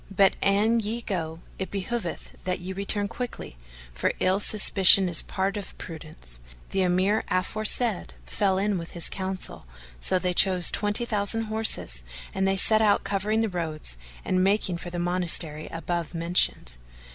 But, an ye go, it behoveth that ye return quickly, for ill suspicion is part of prudence." The Emir aforesaid fell in with his counsel; so they chose twenty thousand horse and they set out covering the roads and making for the monastery above mentioned.